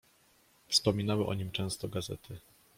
"Wspominały o nim często gazety."